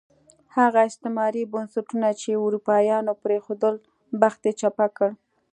هغه استعماري بنسټونه چې اروپایانو پرېښودل، بخت یې چپه کړ.